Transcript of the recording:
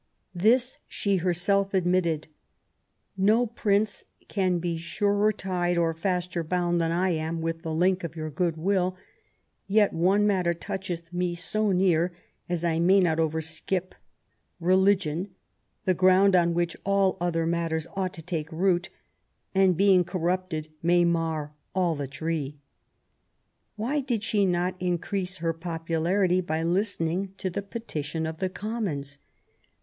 This she herself admitted. No Prince can be surer tied or faster bound than I am with the link of your good will ; yet one matter toucheth me so near, as I may not overskip, religion, the ground on which all other matters ought to take root, and being corrupted may mar all the tree." Why did she not increase her popularity by listening to the petition of the Commons?